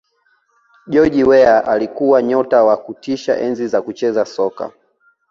george Weah alikuwa nyota wa kutisha enzi za kucheza soka